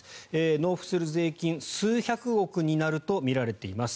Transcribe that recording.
納付する税金数百億になるとみられています。